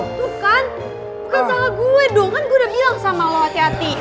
tuh kan bukan sama gue dong kan gue udah bilang sama lo hati hati